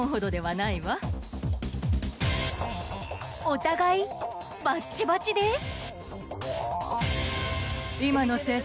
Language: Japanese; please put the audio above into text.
お互いバチバチです。